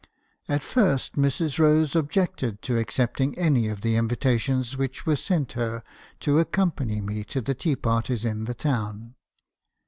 "At first Mrs. Rose objected to accepting any of the invita tions which were sent her to accompany me to the tea parties in the town.